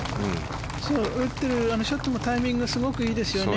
打ってるショットもタイミングがすごくいいですよね。